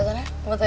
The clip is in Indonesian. jadi pacar kamu lah